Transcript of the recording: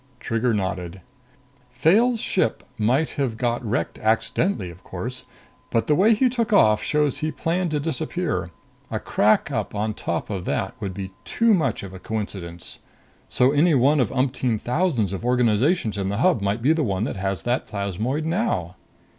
Trigger nodded. "Fayle's ship might have got wrecked accidentally, of course. But the way he took off shows he planned to disappear a crack up on top of that would be too much of a coincidence. So any one of umpteen thousands of organizations in the Hub might be the one that has that plasmoid now!"